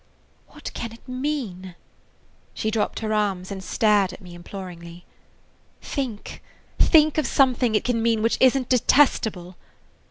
"What can it mean?" She dropped her arms and stared at me imploringly. "Think, think, of something it can mean which isn't detestable!"